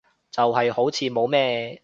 就係好似冇咩